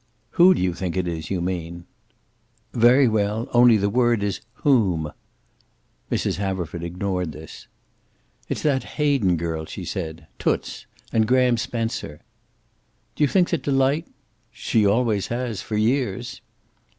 "Who do you think it is, you mean." "Very well, only the word is 'whom.'" Mrs. Haverford ignored this. "It's that Hayden girl," she said. "Toots. And Graham Spencer." "Do you think that Delight " "She always has. For years."